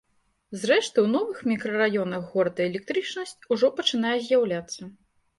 Зрэшты, у новых мікрараёнах горада электрычнасць ужо пачынае з'яўляцца.